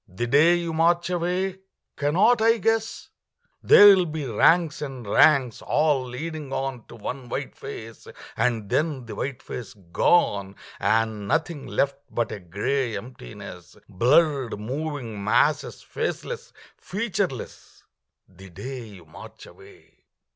The day you march away cannot I guess? There will be ranks and ranks, all leading on To one white face, and then the white face gone, And nothing left but a gray emptiness Blurred moving masses, faceless, featureless The day you march away.